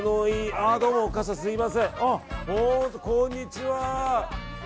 こんにちは！